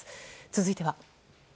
続いては。